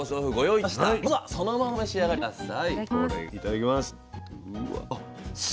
いただきます。